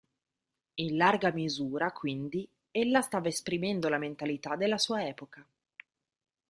In larga misura, quindi, ella stava esprimendo la mentalità della sua epoca.